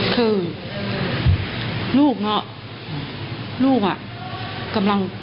คือลูกเนาะลูกอ่ะกำลัง